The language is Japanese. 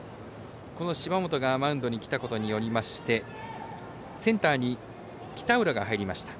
芝本がマウンドに来たことによりましてセンターに、北浦が入りました。